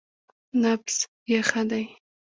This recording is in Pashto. _نبض يې ښه دی.